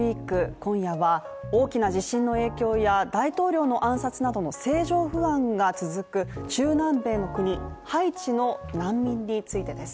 今夜は大きな地震の影響や大統領の暗殺などの政情不安が続く中南米の国、ハイチの難民についてです。